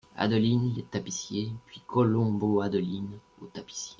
Adeline, les tapissiers ; puis Colombot Adeline , aux tapissiers.